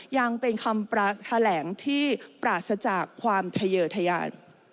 ยังเป็นคำแถลงที่ปราศจากความทะเยอทยาน